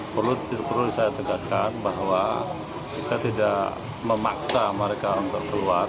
perlu saya tegaskan bahwa kita tidak memaksa mereka untuk keluar